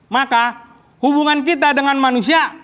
maka hubungan kita dengan manusia